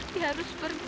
dia harus pergi